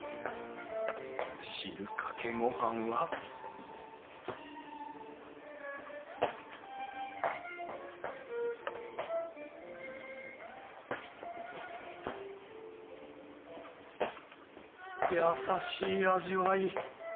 汁かけ御飯は優しい味わい。